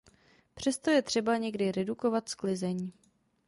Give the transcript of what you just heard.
Přesto je třeba někdy redukovat sklizeň.